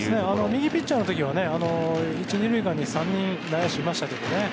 右ピッチャーのときは１、２塁間に３人内野手いましたけどね。